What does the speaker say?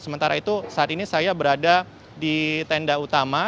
sementara itu saat ini saya berada di tenda utama